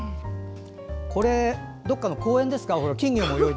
どこかの公園ですか？